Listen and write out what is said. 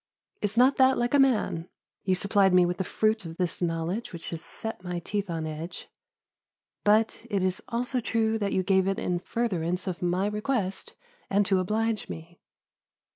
Is not that like a man? You supplied me with the fruit of this knowledge which has set my teeth on edge, but it is also true that you gave it in furtherance of my request and to oblige me.